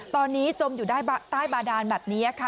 ตอนนี้จมอยู่ใต้บาดานแบบนี้ค่ะ